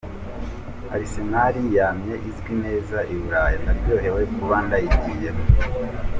"Arsenal yamye izwi neza i Buraya, ndaryohewe kuba ndayigiyemwo.